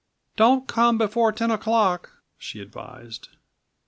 "Don't come before ten o'clock!" she advised.